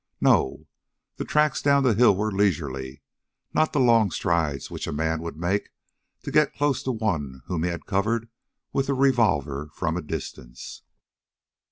No, the tracks down the hill were leisurely, not the long strides which a man would make to get close to one whom he had covered with a revolver from a distance.